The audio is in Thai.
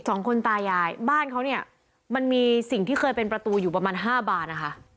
สองคนตายายบ้านเขาเนี่ยมันมีสิ่งที่เคยเป็นประตูอยู่ประมาณห้าบานนะคะ